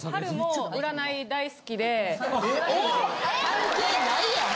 関係ないやん。